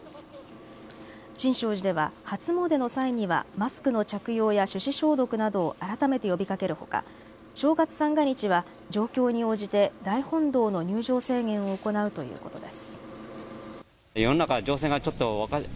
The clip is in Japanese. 新勝寺では初詣の際にはマスクの着用や手指消毒などを改めて呼びかけるほか正月三が日は状況に応じて大本堂の入場制限を行うということです。